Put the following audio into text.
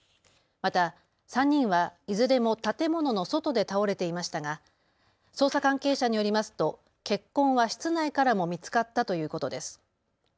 また３人はいずれも建物の外で倒れていましたが捜査関係者によりますと血痕は室内からも見つかったということです。